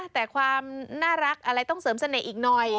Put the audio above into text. แต่ความน่ารักอะไรต้องเสริมเสน่ห์อีกหน่อย